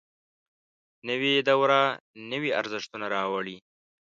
نوې دوره نوي ارزښتونه راوړي